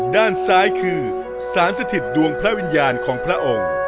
ด้านซ้ายคือสารสถิตดวงพระวิญญาณของพระองค์